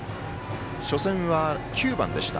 初戦は、９番でした。